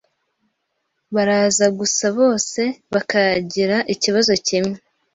baraza gusa bose bakagira ikibazo kimwe